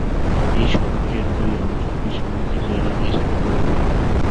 এই সড়কের দুই অংশকেই সংরক্ষিত এলাকা হিসেবে গড়ে তোলা হবে।